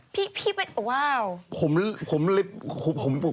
พี่เป็นว้าว